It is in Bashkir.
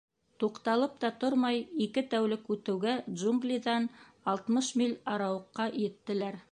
Туҡталып та тормай, ике тәүлек үтеүгә джунглиҙан алтмыш миль арауыҡҡа еттеләр.